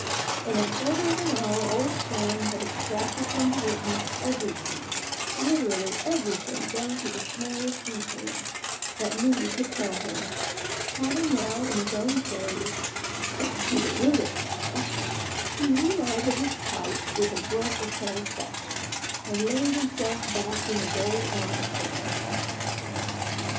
In a quarter of an hour Old Sharon had extracted from the witness everything, literally everything down to the smallest detail, that Moody could tell him. Having now, in his own phrase, "got to the root of the matter," he relighted his pipe with a grunt of satisfaction, and laid himself back in his old armchair.